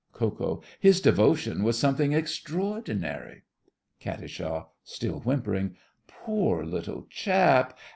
KO. His devotion was something extraordinary. KAT. (still whimpering). Poor little chap!